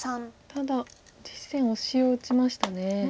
ただ実戦オシを打ちましたね。